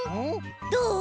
どう？